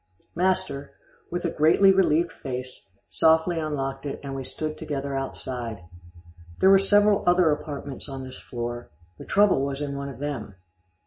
Master, with a greatly relieved face, softly unlocked it, and we stood together outside. There were several other apartments on this floor the trouble was in one of them.